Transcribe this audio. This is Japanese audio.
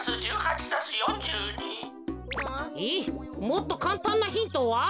もっとかんたんなヒントは？